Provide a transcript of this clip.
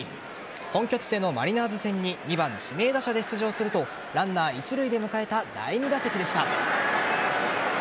本拠地でのマリナーズ戦に２番・指名打者で出場するとランナー一塁で迎えた第２打席でした。